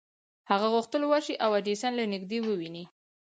هغه غوښتل ورشي او ایډېسن له نږدې وويني.